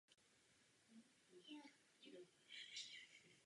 O investování stavby se postaral majitel v osobě spisovatele a básníka Waltera Scotta.